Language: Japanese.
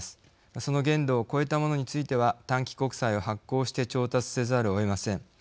その限度を超えたものについては短期国債を発行して調達せざるをえません。